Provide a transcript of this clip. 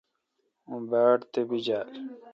اون باڑ تپیجال۔